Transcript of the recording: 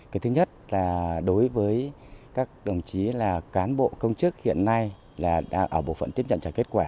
cái thứ nhất là đối với các đồng chí là cán bộ công chức hiện nay là ở bộ phận tiếp nhận trả kết quả